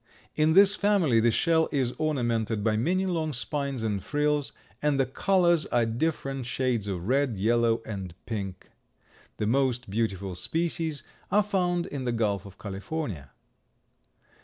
In this family the shell is ornamented by many long spines and frills, and the colors are different shades of red, yellow and pink. The most beautiful species are found in the Gulf of California.